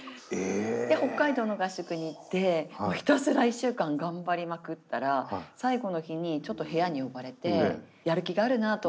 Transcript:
で北海道の合宿に行ってひたすら１週間頑張りまくったら最後の日にちょっと部屋に呼ばれて「やる気があるな」と。